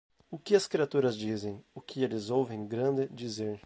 O que as criaturas dizem? O que eles ouvem grande dizer.